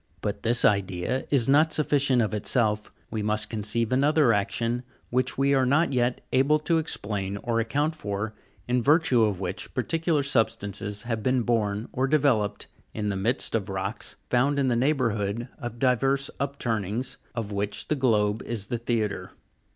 But this idea is not sufficient of itself; we must conceive another action, which we are not yet able to explain or account for, in virtue of which par ticular substances have been borne, or developed, in the midst of rocks found in the neighbourhood of divers upturnings, of which the globe is the theatre.